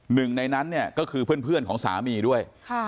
หนึ่งในนั้นเนี่ยก็คือเพื่อนของสามีด้วย